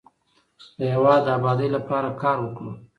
د هیواد د ابادۍ لپاره کار وکړو.